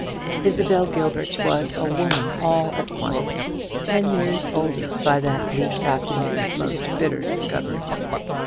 Isabel Gilbert was a woman all at once; ten years older by that bleak afternoon's most bitter discovery.